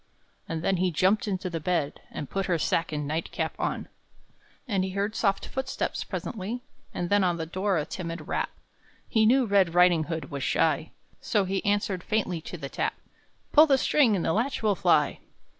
And then he jumped into the bed, And put her sack and night cap on. And he heard soft footsteps presently, And then on the door a timid rap; He knew Red Riding hood was shy, So he answered faintly to the tap: "Pull the string and the latch will fly!"